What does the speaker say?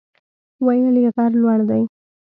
ویل یې غر لوړ دی.